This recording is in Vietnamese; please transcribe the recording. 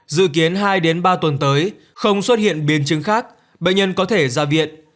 dự kiến hai ba tuần tới không xuất hiện biến chứng khác bệnh nhân có thể ra viện